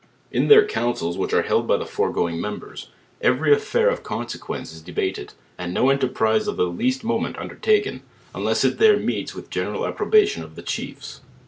In their councils which are held by the foregoing mem bers, every affair of consequence is debated; and no enter prise of the leart moment undertaken, unless it there meets with the general approbation of the chiefs.